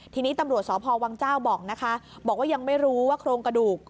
ทีนี้ตำรวจสพวังเจ้าบอกนะคะบอกว่ายังไม่รู้ว่าโครงกระดูก